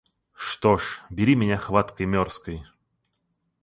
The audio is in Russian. Что ж, бери меня хваткой мёрзкой!